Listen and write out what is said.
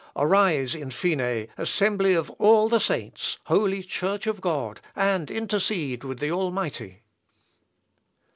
Arise, in fine, assembly of all the saints, holy Church of God, and intercede with the Almighty!"